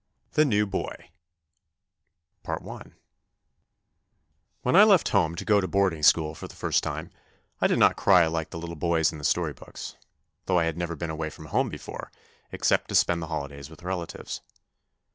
THE NEW BOY WHEN I left home to go to boarding school for the first time 1 did not cry like the little boys in the story books, though I had never been away from home before except to spend holidays with relatives.